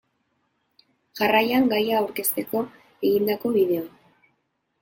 Jarraian gaia aurkezteko egindako bideoa.